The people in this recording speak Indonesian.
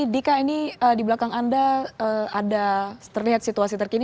dika ini di belakang anda ada terlihat situasi terkini